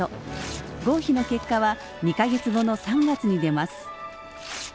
合否の結果は２か月後の３月に出ます。